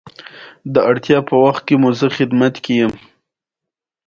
هغه د ملتان پر لور وخوځېدی.